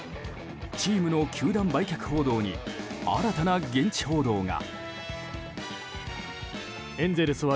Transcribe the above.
チームの球団売却報道に新たな現地報道が。